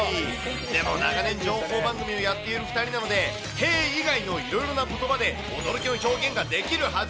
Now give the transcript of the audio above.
でも長年、情報番組をやっている２人なので、へぇ以外のいろいろなことばで驚きの表現ができるはず。